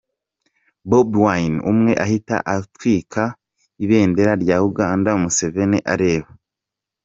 Bobi Wine!”,umwe ahita atwika ibendera rya Uganda Museveni areba.